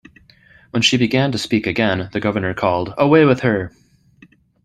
When she began to speak again, the governor called, Away with her!